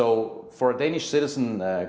orang orang yang berumur di denmark